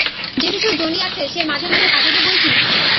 যে শিশু জনিয়াছে সে মাঝে মাঝে কাঁদিবে বৈ কি!